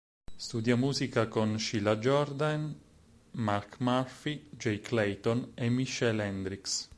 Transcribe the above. Studia musica con Sheila Jordan, Mark Murphy, Jay Clayton, e Michele Hendricks.